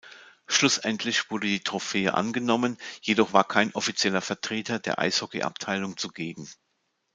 Schlussendlich wurde die Trophäe angenommen, jedoch war kein offizieller Vertreter der Eishockeyabteilung zugegen.